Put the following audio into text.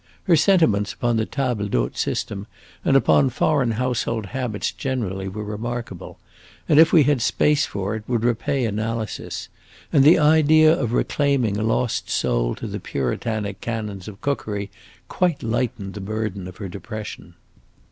Her sentiments upon the table d'hote system and upon foreign household habits generally were remarkable, and, if we had space for it, would repay analysis; and the idea of reclaiming a lost soul to the Puritanic canons of cookery quite lightened the burden of her depression.